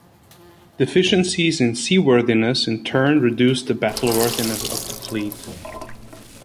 Deficiencies in seaworthiness in turn reduced the battle-worthiness of the fleet.